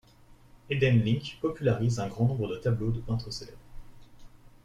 Edelinck popularise un grand nombre de tableaux de peintres célèbres.